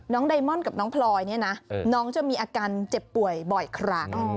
ไดมอนกับน้องพลอยเนี่ยนะน้องจะมีอาการเจ็บป่วยบ่อยครั้ง